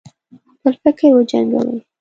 خپل فکر وجنګوي.